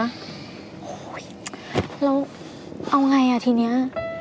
โอ้ยเราเอาไงอ่ะทีนี้